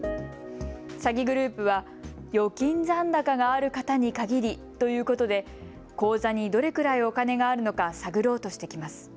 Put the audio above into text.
詐欺グループは預金残高がある方に限りと言うことで口座にどれくらいお金があるのか探ろうとしてきます。